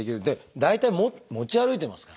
大体持ち歩いてますからね